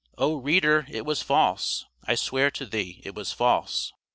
Oh, reader, it was false! I swear to thee, it was false!